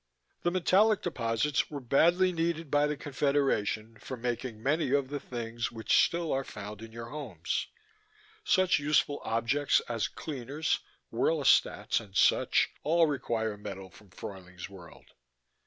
The metallic deposits were badly needed by the Confederation for making many of the things which still are found in your homes: such useful objects as cleaners, whirlostats and such all require metal from Fruyling's World.